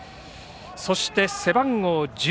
そして背番号１０